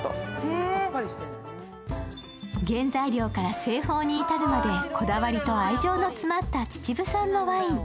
原材料から製法に至るまでこだわりと愛情が詰まった秩父産のワイン。